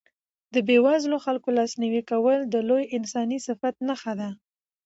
د بېوزلو خلکو لاسنیوی کول د لوی انساني صفت نښه ده.